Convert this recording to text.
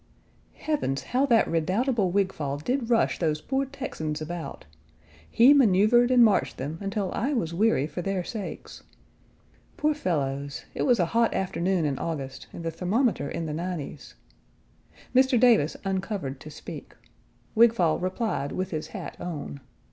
Heavens! how that redoubtable Wigfall did rush those poor Texans about! He maneuvered and marched them until I was weary for their sakes. Poor fellows; it was a hot afternoon in August and the thermometer in the nineties. Mr. Davis uncovered to speak. Wigfall replied with his hat on.